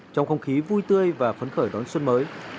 trong không khí vui tươi và phấn khởi đón xuân mới